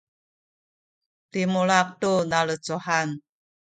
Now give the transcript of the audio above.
limulak tu nalecuhan